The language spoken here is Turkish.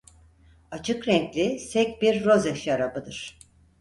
Açık renkli sek bir roze şarabıdır.